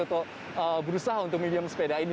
atau berusaha untuk minum sepeda ini